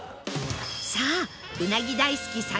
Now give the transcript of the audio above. さあうなぎ大好き